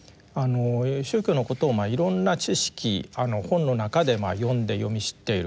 宗教のことをいろんな知識本の中で読んで読み知っている。